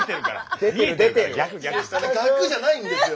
ガクッじゃないんですよ。